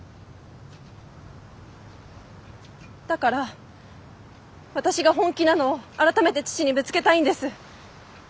だから私が本気なのを改めて父にぶつけたいんです。